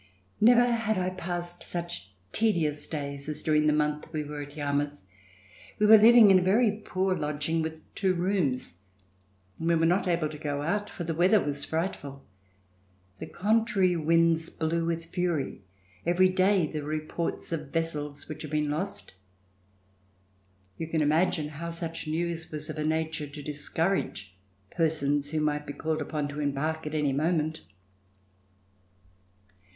Never had I passed such tedious days as during the month we were at Yarmouth. We were living in a very poor lodging with two rooms, and we were not able to go out for the weather was frightful. The contrary winds blew with fury. Every day there were reports of vessels which had been lost. You can imagine how such news was of a nature to discourage persons who might be called upon to embark at any moment.